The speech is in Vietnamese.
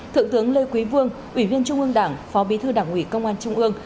thượng tướng lê quý vương ủy viên trung ương đảng phó bí thư đảng ủy công an trung ương